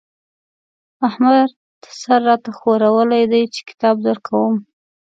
احمد سر را ته ښورولی دی چې کتاب درکوم.